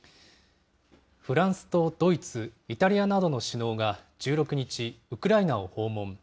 フランスとドイツ、イタリアなどの首脳が１６日、ウクライナを訪問。